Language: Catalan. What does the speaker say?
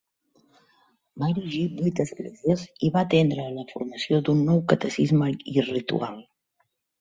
Va erigir vuit esglésies i va atendre a la formació d'un nou Catecisme i Ritual.